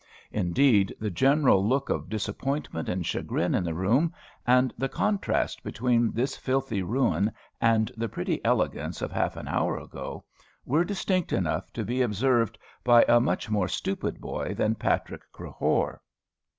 Indeed, the general look of disappointment and chagrin in the room, and the contrast between this filthy ruin and the pretty elegance of half an hour ago, were distinct enough to be observed by a much more stupid boy than Patrick Crehore.